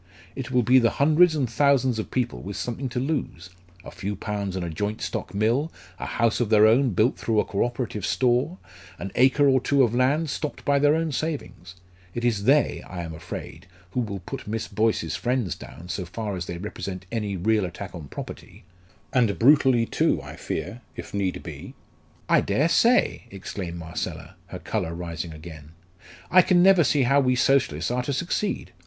It will be the hundreds and thousands of people with something to lose a few pounds in a joint stock mill, a house of their own built through a co operative store, an acre or two of land stocked by their own savings it is they, I am afraid, who will put Miss Boyce's friends down so far as they represent any real attack on property and brutally, too, I fear, if need be." "I dare say," exclaimed Marcella, her colour rising again. "I never can see how we Socialists are to succeed.